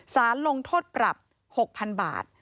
สารลงโทษปรับ๖๐๐๐บาท